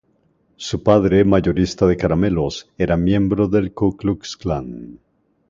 Su padre, mayorista de caramelos, era miembro del Ku Klux Klan.